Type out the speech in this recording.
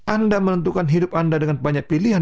anda menentukan hidup anda dengan banyak pilihan